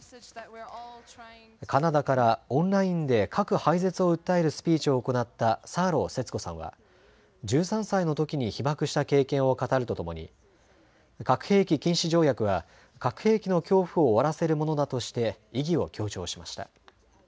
カナダからオンラインで核廃絶を訴えるスピーチを行ったサーロー節子さんは１３歳のときに被爆した経験を語るとともに、核兵器禁止条約は核兵器の恐怖を終わらせるものだとして意義を強調しました。